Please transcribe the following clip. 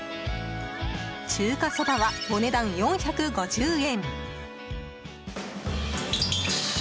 中華そばは、お値段４５０円。